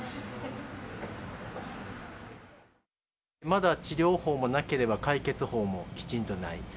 まだ治療法もなければ、解決法もきちんとない。